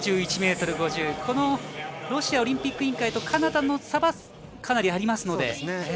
ロシアオリンピック委員会とカナダの差はかなりありますので。